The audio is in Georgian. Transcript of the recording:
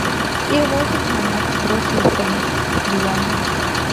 პირველად თამარის დროს იხსენიებიან.